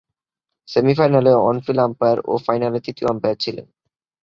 সেমি-ফাইনালে on field umpire ও ফাইনালে তৃতীয় আম্পায়ার ছিলেন।